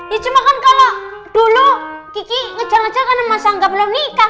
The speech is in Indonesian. ya cuma kan kalau dulu kiki ngejar ngejar karena mas angga belum nikah